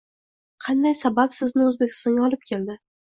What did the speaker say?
Qanday sabab sizni Oʻzbekistonga olib keldi?